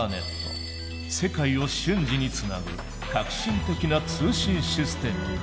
世界を瞬時につなぐ革新的な通信システム。